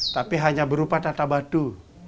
tapi hanya berupa tata batu